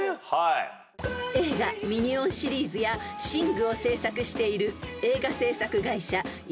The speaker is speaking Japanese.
［映画『ミニオン』シリーズや『ＳＩＮＧ／シング』を製作している映画製作会社